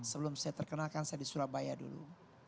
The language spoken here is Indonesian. sebelum saya terkenalkan saya di surabaya dulu